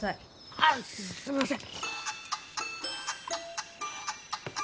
あっすみません！